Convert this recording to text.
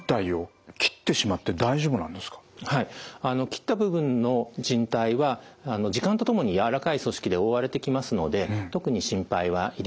切った部分の靭帯は時間とともにやわらかい組織で覆われてきますので特に心配はいりません。